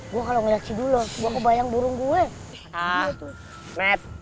gue kalau ngeliat dulu aku bayang burung gue